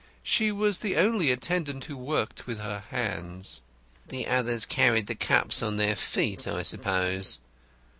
She was the only attendant who worked with her hands." "The others carried the cups on their feet, I suppose."